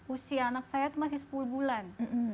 dua ribu dua puluh usia anak saya itu masih sepuluh bulan